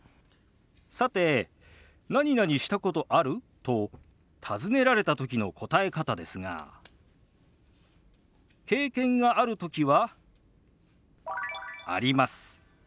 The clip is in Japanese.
さて「なになにしたことある？」と尋ねられた時の答え方ですが経験がある時は「あります」。